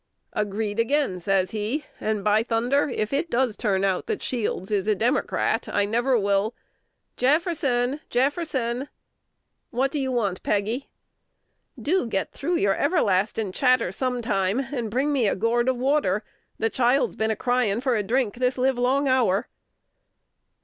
"Agreed again!" says he; "and, by thunder! if it does turn out that Shields is a Democrat, I never will" "Jefferson, Jefferson" "What do you want, Peggy?" "Do get through your everlasting clatter sometime, and bring me a gourd of water: the child's been crying for a drink this live long hour."